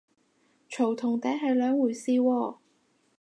嘈同嗲係兩回事喎